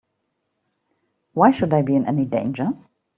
Why should I be in any danger?